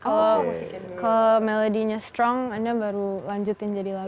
kalau meledinya strong anda baru lanjutin jadi lagu